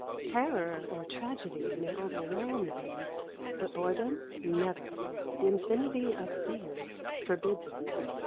Terror or tragedy may overwhelm him, but boredom never. The infinity of things forbids it.